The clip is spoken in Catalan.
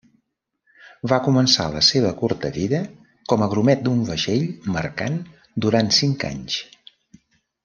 Va començar la seva curta vida com a grumet d'un vaixell mercant durant cinc anys.